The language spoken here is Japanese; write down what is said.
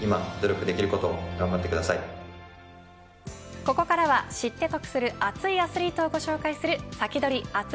ここからは知って得する熱いアスリートをご紹介するサキドリ！